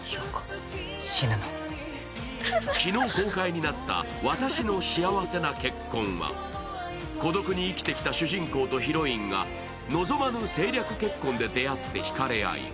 昨日公開になった「わたしの幸せな結婚」は、孤独に生きてきた主人公とヒロインが臨まぬ政略結婚でであってひかれ合い